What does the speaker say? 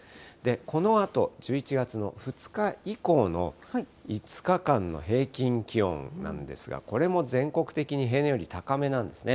このあと、１１月の２日以降の５日間の平均気温なんですが、これも全国的に平年より高めなんですね。